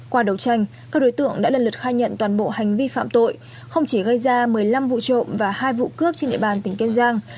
qua đấu tranh các đối tượng đã lần lượt khai nhận toàn bộ hành vi phạm tội không chỉ gây ra một mươi năm vụ trộm và hai vụ cướp trên địa bàn tỉnh kiên giang